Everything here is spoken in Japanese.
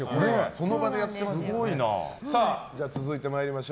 その場でやってますから。